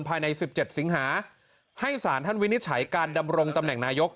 ภายใน๑๗สิงหาให้สารท่านวินิจฉัยการดำรงตำแหน่งนายก